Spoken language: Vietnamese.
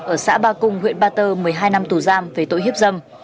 ở xã ba cung huyện ba tơ một mươi hai năm tù giam về tội hiếp dâm